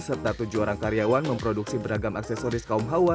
serta tujuh orang karyawan memproduksi beragam aksesoris kaum hawa